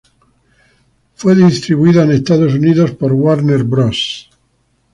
Fue distribuida en Estados Unidos por Warner Bros.